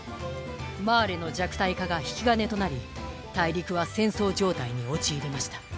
マーレの弱体化が引き金となり大陸は戦争状態に陥りました。